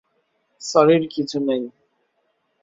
সরির কিছু নেই!